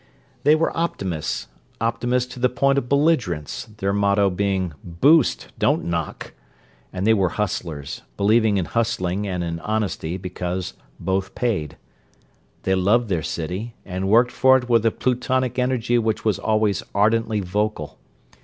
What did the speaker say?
They were optimists—optimists to the point of belligerence—their motto being "Boost! Don't Knock!" And they were hustlers, believing in hustling and in honesty because both paid. They loved their city and worked for it with a plutonic energy which was always ardently vocal.